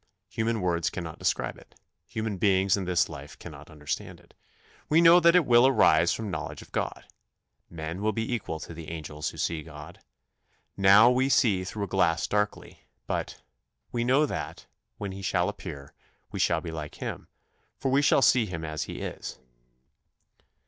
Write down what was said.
Human words cannot describe it; human beings in this life cannot understand it. We know that it will arise from knowledge of God. Men will be equal to the angels who see God. "Now we see through a glass darkly," but "we know that, when he shall appear, we shall be like him; for we shall see him as he is."